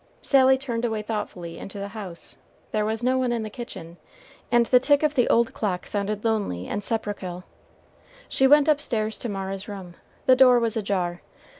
Sally turned away thoughtfully into the house; there was no one in the kitchen, and the tick of the old clock sounded lonely and sepulchral. She went upstairs to Mara's room; the door was ajar.